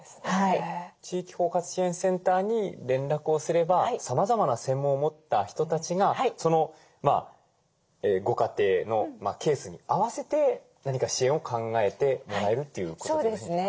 地域包括支援センターに連絡をすればさまざまな専門を持った人たちがそのご家庭のケースに合わせて何か支援を考えてもらえるということでよろしいでしょうかね？